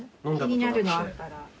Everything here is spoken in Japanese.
気になるのあったら。